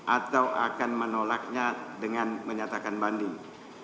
atau akan menolaknya dengan menyatakan banding